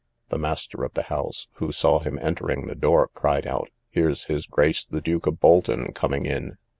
The master of the house, who saw him entering the door, cried out, Here's his Grace the Duke of Bolton coming in!